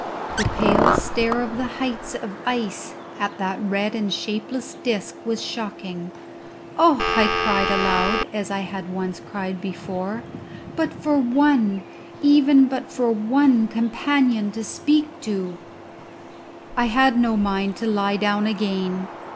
The pale stare of the heights of ice at that red and shapeless disc was shocking. "Oh," I cried aloud, as I had once cried before, "but for one, even but for one, companion to speak to!" I had no mind to lie down again.